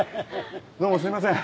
どうもすいません